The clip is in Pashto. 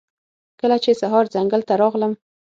کله چې سهار ځنګل ته راغلم